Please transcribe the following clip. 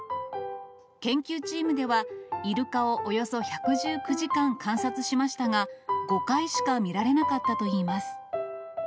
研究チームでは、イルカをおよそ１１９時間観察しましたが、５回しか見られなかったといいます。